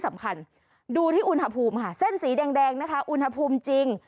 สำคัญดูที่อุณหภูมิค่ะเส้นสีแดงนะคะอุณหภูมิจริง